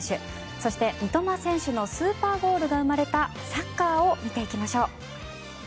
そして三笘選手のスーパーゴールが生まれたサッカーを見ていきましょう。